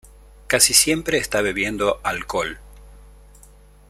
Casi siempre está bebiendo alcohol.